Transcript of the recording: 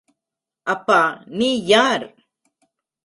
அப்பா, நீ யார்?